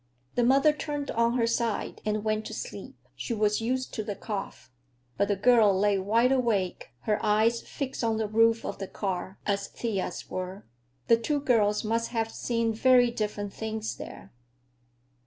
The mother turned on her side and went to sleep; she was used to the cough. But the girl lay wide awake, her eyes fixed on the roof of the car, as Thea's were. The two girls must have seen very different things there.